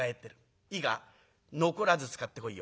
いいか残らず使ってこいよ。